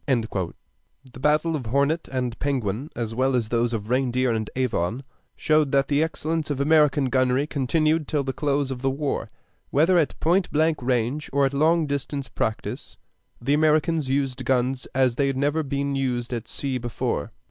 The battle of the Hornet and Penguin, as well as those of the Reindeer and Avon, showed that the excellence of American gunnery continued till the close of the war. Whether at point blank range or at long distance practice, the Americans used guns as they had never been used at sea before.